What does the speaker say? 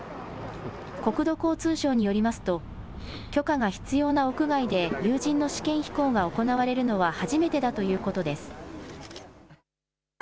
国土交通省によりますと、許可が必要な屋外で有人の試験飛行が行われるのは初めてだということです。